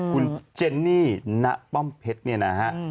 คุณเจนนี่ณป้อมเพชรเนี่ยนะฮะ